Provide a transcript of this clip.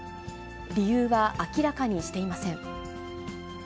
理由は明らかにしていません。